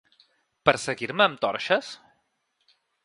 Perseguir-me amb torxes?